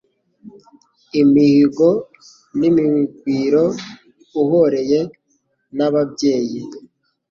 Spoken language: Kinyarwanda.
Imihigo n'imigwiro Uhoreye n'Ababyeyi